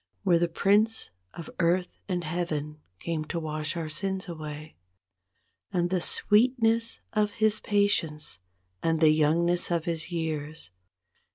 Where the Prince of Earth and Heaven came to wash our sins away; And the sweetness of His patience, and the young¬ ness of His years.